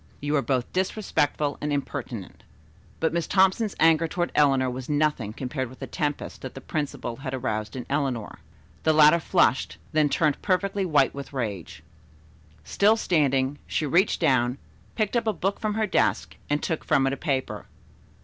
You are both disrespectful and impertinent." But Miss Thompson's anger toward Eleanor was nothing compared with the tempest that the principal had aroused in Eleanor. The latter flushed, then turned perfectly white with rage. Still standing, she reached down, picked up a book from her desk and took from it a paper.